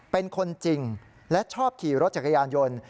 เป็นคนจริงและชอบขี่รถจักรยานยนต์